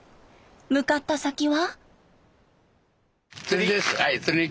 向かった先は。